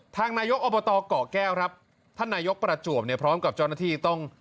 ทางนายกอบตเกาะแก้วครับท่านนายกประจวบเนี่ยพร้อมกับเจ้าหน้าที่ต้อง